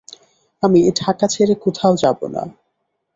আমি ঢাকা ছেড়ে কোথাও যাব না।